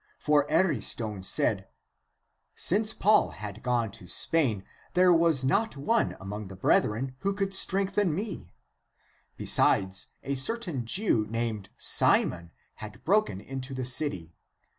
For Ariston said, " since Paul had gone to Spain, there was not one among the brethren who could strengthen me. Be ACTS OF PETER 67 sides, a certain Jew, named Simon, had broken into the city.